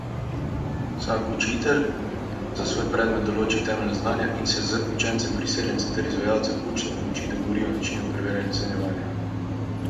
Samo je dober pri vožnji.